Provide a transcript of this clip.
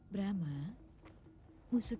brahma musuh kita